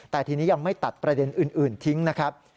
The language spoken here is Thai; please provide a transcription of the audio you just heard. แต่ทีนี้ยังไม่ตัดประเด็นอื่นทิ้งนะครับ